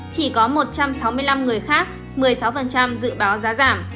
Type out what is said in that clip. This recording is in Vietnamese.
chỉ có một trăm sáu mươi năm người khác một mươi sáu dự báo giá giảm